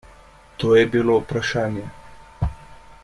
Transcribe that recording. To je bilo vprašanje.